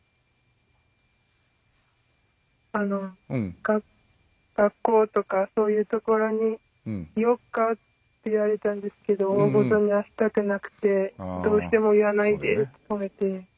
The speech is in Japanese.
あ学校とかそういうところに言おうかって言われたんですけど大ごとにはしたくなくてどうしても言わないでって止めて。